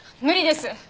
無理です。